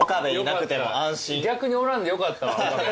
逆におらんでよかったわ岡部。